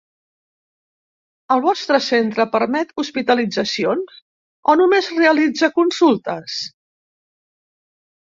El vostre centre permet hospitalitzacions o només realitza consultes?